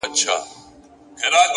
پوهه د انسان ارزښت څو برابره کوي،